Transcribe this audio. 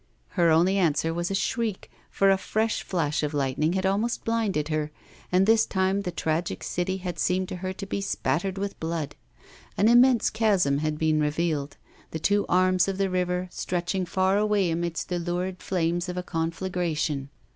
Her only answer was a shriek; for a fresh flash of lightning had almost blinded her, and this time the tragic city had seemed to her to be spattered with blood. An immense chasm had been revealed, the two arms of the river stretching far away amidst the lurid flames of a conflagration.